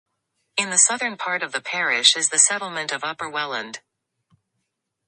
In the southern part of the parish is the settlement of Upper Welland.